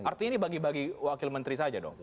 artinya ini bagi bagi wakil menteri saja dong